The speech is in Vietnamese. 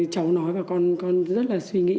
cháu nói và con rất là suy nghĩ